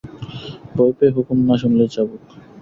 ভয় পেয়ে হুকুম না শুনলেই চাবুক।